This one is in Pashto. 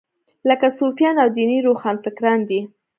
لکه صوفیان او دیني روښانفکران دي.